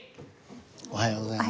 おはようございます。